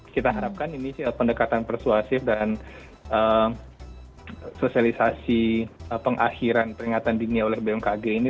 kita harapkan ini pendekatan persuasif dan sosialisasi pengakhiran peringatan dini oleh bmkg ini